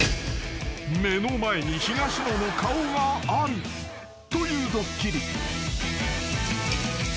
［目の前に東野の顔があるというドッキリ］